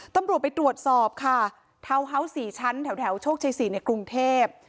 ตำรวจไปตรวจสอบค่ะทาวน์เฮาส์๔ชั้นแถวโชคชัย๔ในกรุงเทพ